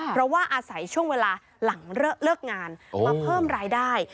เพราะว่าอาศัยช่วงเวลาหลังเลิกงานมาเพิ่มรายได้